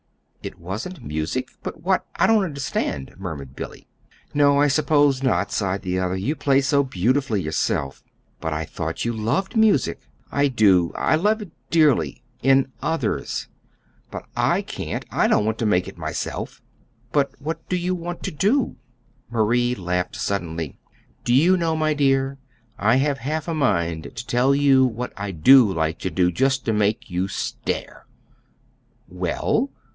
"It wasn't music! But what I don't understand," murmured Billy. "No, I suppose not," sighed the other. "You play so beautifully yourself." "But I thought you loved music." "I do. I love it dearly in others. But I can't I don't want to make it myself." "But what do you want to do?" Marie laughed suddenly. "Do you know, my dear, I have half a mind to tell you what I do like to do just to make you stare." "Well?"